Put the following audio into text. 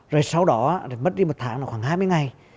rồi sau đó mất đi một tháng là khoảng hai mươi ngày